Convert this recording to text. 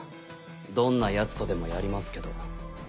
どんなヤツとでもやりますけど。